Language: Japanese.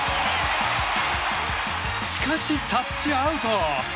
しかし、タッチアウト！